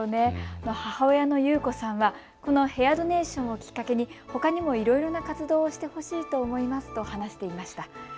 母親の祐子さんは、このヘアドネーションをきっかけにほかにもいろいろな活動をしてほしいと思いますと話していました。